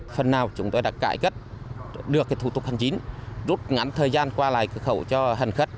phần nào chúng tôi đã cải cất được thủ tục hành chính rút ngắn thời gian qua lại cửa khẩu cho hẳn khất